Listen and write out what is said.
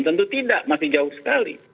tentu tidak masih jauh sekali